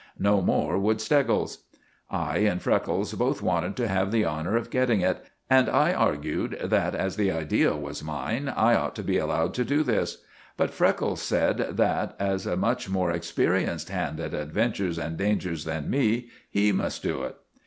No more would Steggles. I and Freckles both wanted to have the honour of getting it, and I argued that as the idea was mine I ought to be allowed to do this; but Freckles said that as a much more experienced hand at adventures and dangers than me, he must do it.